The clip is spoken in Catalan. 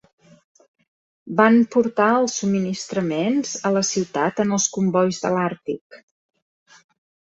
Van portar els subministraments a la ciutat en els combois de l'Àrtic.